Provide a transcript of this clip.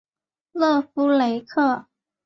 勒夫雷克。